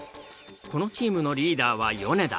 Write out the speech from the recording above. このチームのリーダーは米田。